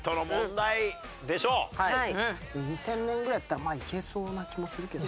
２０００年ぐらいだったらまあいけそうな気もするけど。